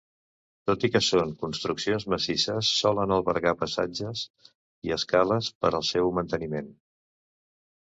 Tot i que són construccions massisses, solen albergar passatges i escales per al seu manteniment.